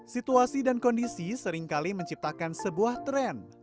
situasi dan kondisi seringkali menciptakan sebuah tren